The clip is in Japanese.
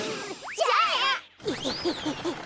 じゃあね！